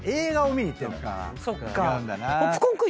そっか。